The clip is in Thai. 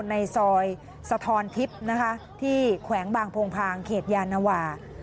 ในซอยสะทอนทิพย์นะคะที่แขวงบางโพงพางเขตยานวา